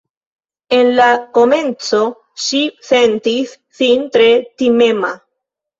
En la komenco ŝi sentis sin tre timema